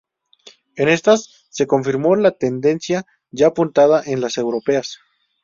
En estas se confirmó la tendencia ya apuntada en las europeas.